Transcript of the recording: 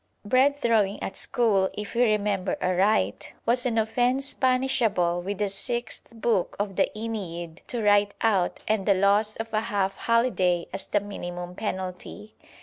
Bread throwing at school, if we remember aright, was an offence punishable with the sixth book of the Aeneid to write out and the loss of a half holiday as the minimum penalty.